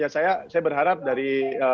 saya berharap dari